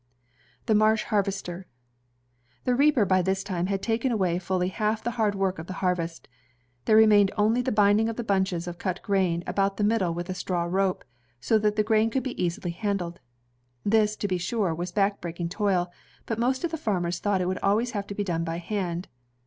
The Marsh Harvester The reaper by tjiis time had taken away fully half the hard work of the harvest. There remained only the binding of the bunches of cut grain about the middle with a straw rope, so that the grain could be easily handled. This, to be sure, was back breaking toil, but most of the farmers thought it would always have to be done by hand.